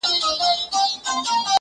چېرته به د سوي میني زور وینو-